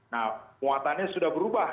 nah kuatannya sudah berubah